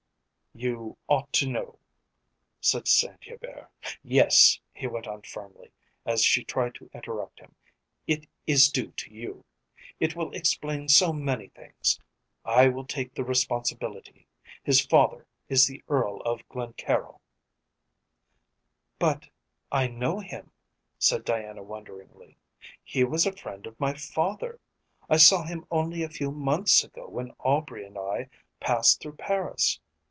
"You ought to know," said Saint Hubert. "Yes!" he went on firmly, as she tried to interrupt him. "It is due to you. It will explain so many things. I will take the responsibility. His father is the Earl of Glencaryll." "But I know him," said Diana wonderingly. "He was a friend of my father. I saw him only a few months ago when Aubrey and I passed through Paris.